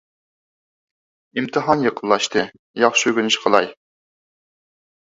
ئىمتىھان يېقىنلاشتى. ياخشى ئۆگىنىش قىلاي